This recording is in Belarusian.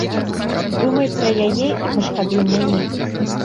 Думай пра яе і пашкадуй мяне.